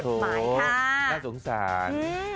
น่าสงสาร